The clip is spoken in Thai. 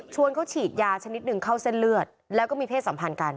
เขาฉีดยาชนิดหนึ่งเข้าเส้นเลือดแล้วก็มีเพศสัมพันธ์กัน